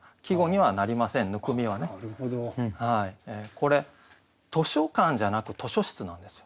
これ図書館じゃなく「図書室」なんですよ。